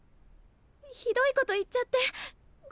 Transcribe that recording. ひどいこと言っちゃってごめん。